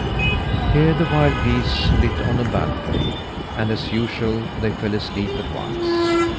Here the wild geese lit on a balcony, and, as usual, they fell asleep at once.